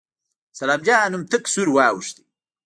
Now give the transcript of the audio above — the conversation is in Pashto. سلام جان هم تک سور واوښت.